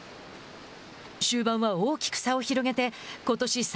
終盤は大きく差を広げてことし